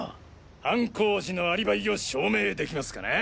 犯行時のアリバイを証明できますかな？